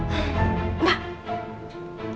jika udah tangentikin b dk